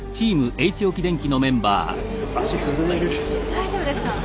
大丈夫ですか？